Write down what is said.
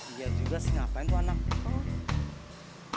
iya juga sih ngapain tuh anak